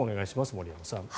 森山さん。